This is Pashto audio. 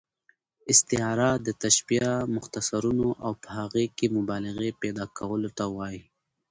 استعاره د تشبیه، مختصرولو او په هغې کښي مبالغې پیدا کولو ته وايي.